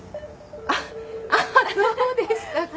あっあっそうでしたか。